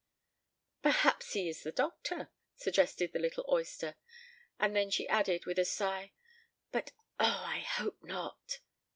"Perhaps he is the doctor," suggested the little oyster; and then she added with a sigh, "but, oh! I hope not."